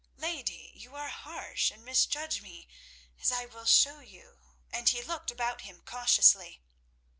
"Lady, you are harsh and misjudge me, as I will show," and he looked about him cautiously.